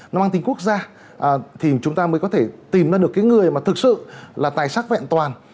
nó mang tính quốc gia thì chúng ta mới có thể tìm ra được cái người mà thực sự là tài sắc vẹn toàn